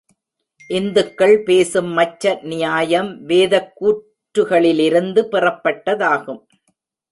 இந்துக்கள் பேசும் மச்ச நியாயம் வேதக் கூற்றுகளிலிருந்து பெறப்பட்டதாகும்.